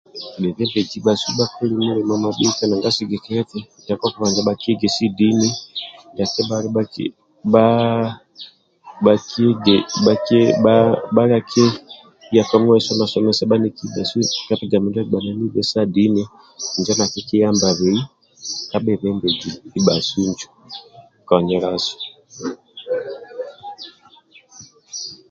Bhebembeji bhasu bhakoli mulimo mabhika nanga sigikilia eti ndiako kubhanja bhakyegesi dini, ndia kebhala bhakye bha bhalia kiya kamumaiso somesabe bhaniki ndibhasu ka bigambo ndia agbananibe dini injo nakikiyambabei ka bhebembeji ndibhasu injo konyelasu